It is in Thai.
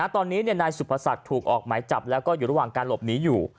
ตอนนี้นายสุภศักดิ์ถูกออกหมายจับแล้วก็อยู่ระหว่างการหลบหนีอยู่